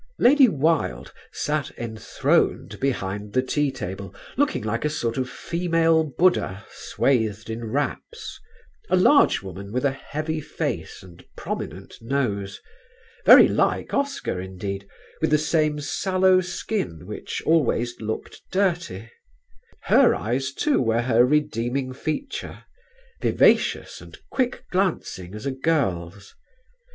Lady Wilde sat enthroned behind the tea table looking like a sort of female Buddha swathed in wraps a large woman with a heavy face and prominent nose; very like Oscar indeed, with the same sallow skin which always looked dirty; her eyes too were her redeeming feature vivacious and quick glancing as a girl's.